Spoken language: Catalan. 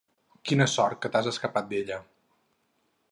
Quina sort que t'has escapat d'ella.